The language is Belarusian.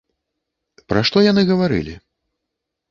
Пра што яны гаварылі?